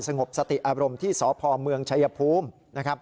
สงบสติอารมณ์ที่สพเมืองชายภูมิ